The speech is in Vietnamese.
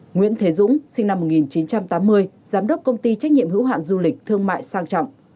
nguyễn thế dũng sinh năm một nghìn chín trăm tám mươi giám đốc công ty trách nhiệm hữu hạn du lịch thương mại sang trọng